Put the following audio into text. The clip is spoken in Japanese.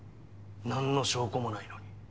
何の証拠もないのに。